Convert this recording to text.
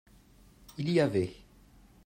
Il y avait.